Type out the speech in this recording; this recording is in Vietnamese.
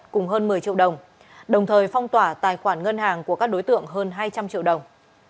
cùng hơn một mươi triệu đồng đồng thời phong tỏa tài khoản ngân hàng của các đối tượng hơn hai trăm linh triệu đồng